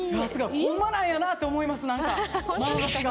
ホンマなんやなって思いますなんか・